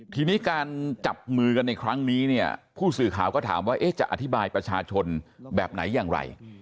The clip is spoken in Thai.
ทีนี้การจับมือกันในครั้งนี้เนี่ยผู้สื่อข่าวก็ถามว่าจะอธิบายประชาชนแบบไหนอย่างไร